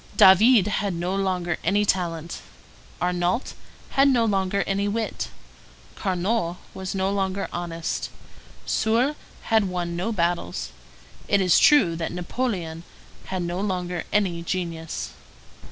David had no longer any talent, Arnault had no longer any wit, Carnot was no longer honest, Soult had won no battles; it is true that Napoleon had no longer any genius.